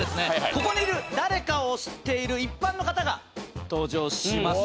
ここにいる誰かを推している一般の方が登場します